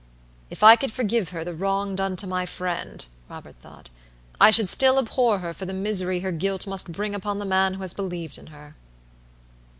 "If I could forgive her the wrong done to my friend," Robert thought, "I should still abhor her for the misery her guilt must bring upon the man who has believed in her."